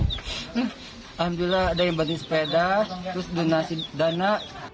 alhamdulillah ada yang bantu sepeda terus donasi dana